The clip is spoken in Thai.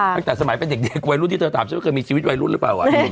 ตั้งแต่สมัยเป็นเด็กวัยรุ่นที่เธอถามฉันว่าเคยมีชีวิตวัยรุ่นหรือเปล่า